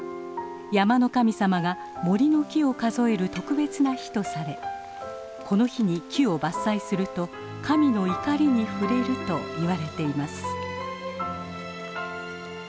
山の神様が森の木を数える特別な日とされこの日に木を伐採すると神の怒りに触れると言われています。